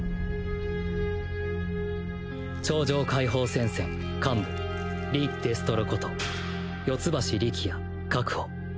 超常解放戦線幹部リ・デストロこと四ツ橋力也確保